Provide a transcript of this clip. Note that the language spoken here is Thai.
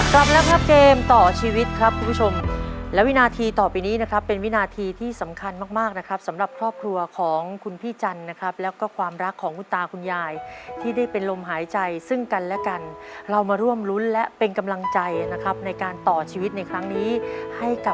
กลับแล้วครับเกมต่อชีวิตครับคุณผู้ชมและวินาทีต่อไปนี้นะครับเป็นวินาทีที่สำคัญมากมากนะครับสำหรับครอบครัวของคุณพี่จันทร์นะครับแล้วก็ความรักของคุณตาคุณยายที่ได้เป็นลมหายใจซึ่งกันและกันเรามาร่วมรุ้นและเป็นกำลังใจนะครับในการต่อชีวิตในครั้งนี้ให้กับ